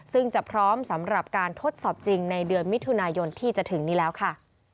ซึ่งจะพร้อมสำหรับการทดสอบจริงในเดือนมิถุนายนที่จะถึงนี้แล้วค่ะ